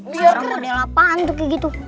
dia model apaan tuh kayak gitu